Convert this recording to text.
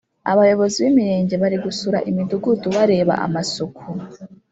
Abayobozi b’imirenge bari gusura imidugudu bareba amasuku